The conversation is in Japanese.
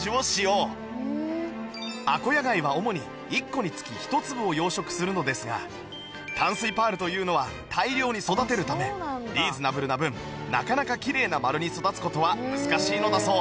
アコヤガイは主に１個につき１粒を養殖するのですが淡水パールというのは大量に育てるためリーズナブルな分なかなかきれいな丸に育つ事は難しいのだそう